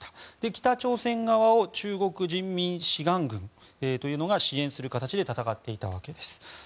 北朝鮮側を中国人民志願軍というのが支援する形で戦っていたわけです。